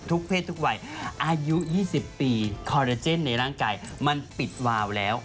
เพศทุกวัยอายุ๒๐ปีคอเรเจนในร่างกายมันปิดวาวแล้ว